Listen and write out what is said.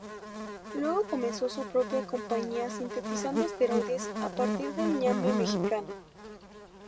Luego comenzó su propia compañía sintetizando esteroides a partir del ñame mexicano.